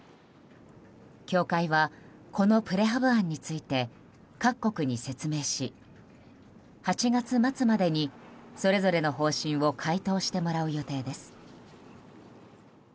協会は、このプレハブ案について各国に説明し８月末までに、それぞれの方針を回答してもらう予定です。